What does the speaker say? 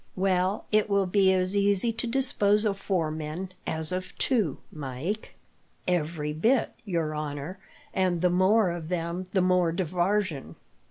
"Well, it will be as easy to dispose of four men as of two, Mike." "Every bit, your honour, and the more of them the more divarsion."